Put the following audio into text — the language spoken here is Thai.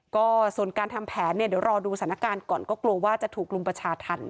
ก็ส่วนการทำแผนเนี่ยเดี๋ยวรอดูสถานการณ์ก่อนก็กลัวว่าจะถูกรุมประชาธรรม